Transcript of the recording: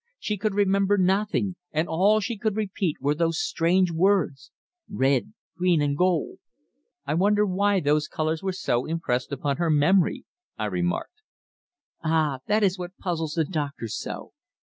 She could remember nothing, and all she could repeat were those strange words 'Red, green and gold.'" "I wonder why those colours were so impressed upon her memory?" I remarked. "Ah! That is what puzzles the doctors so.